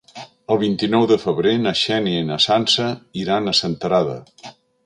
El vint-i-nou de febrer na Xènia i na Sança iran a Senterada.